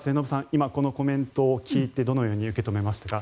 今このコメントを聞いてどのように受け止めましたか。